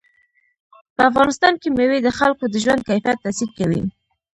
په افغانستان کې مېوې د خلکو د ژوند کیفیت تاثیر کوي.